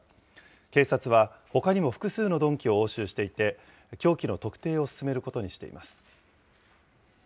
警察はほかにも複数の鈍器を押収していて、凶器の特定を進めることにしています。